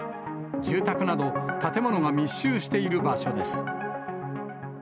住宅など建物が密集している場所です。